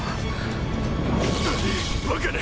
バカな！